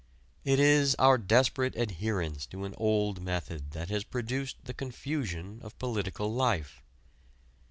It is our desperate adherence to an old method that has produced the confusion of political life.